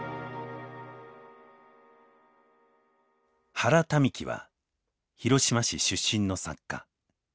原民喜は広島市出身の作家。